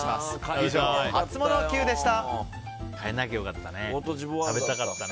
以上、ハツモノＱでした。